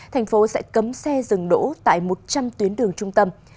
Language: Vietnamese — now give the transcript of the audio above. thành phố sẽ cấm xe dừng đỗ tại một trăm linh tuyến đường trung tâm